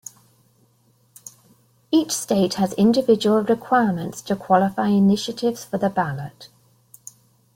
Each state has individual requirements to qualify initiatives for the ballot.